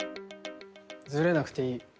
ズレなくていい。